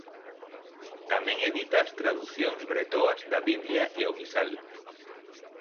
Tamén edita as traducións bretoas da Biblia e o misal.